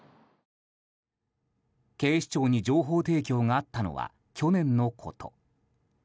警視庁に情報提供があったのは去年のこと。